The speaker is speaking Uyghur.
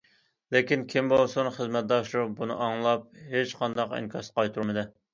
لېكىن كىم بىلسۇن؟ خىزمەتداشلىرى بۇنى ئاڭلاپ ھېچقانداق ئىنكاس قايتۇرمىدى.